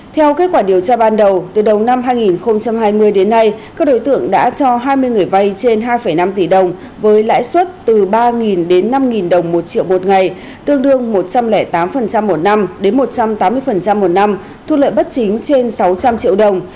theo kết quả điều tra ban đầu từ đầu năm hai nghìn hai mươi đến nay các đối tượng đã cho hai mươi người vay trên hai năm tỷ đồng với lãi suất từ ba đến năm đồng một triệu một ngày tương đương một trăm linh tám một năm đến một trăm tám mươi một năm thu lợi bất chính trên sáu trăm linh triệu đồng